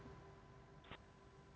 ya salah satunya itu kayaknya hari ini